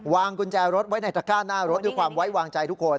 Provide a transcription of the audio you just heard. กุญแจรถไว้ในตระก้าหน้ารถด้วยความไว้วางใจทุกคน